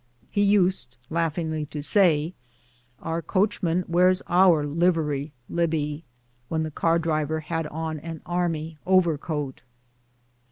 He used laughingly to say, " Our coachman wears our livery, Libbie," when the car driver had on an army overcoat.